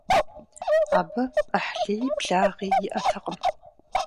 Абы Ӏыхьлыи благъи иӀэтэкъым.